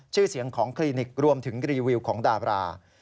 ชื่อเสียงของคลินิกรวมถึงรีวิวของดาบรา